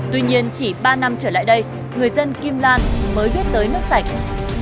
tuy nhiên chỉ ba năm trở lại đây người dân kim lan mới biết tới nước sạch